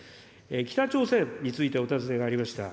北朝鮮についてお尋ねがありました。